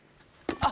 あっ。